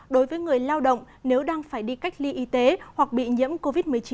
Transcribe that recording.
đối với người lao động nếu đang phải đi cách ly y tế hoặc bị nhiễm covid một mươi chín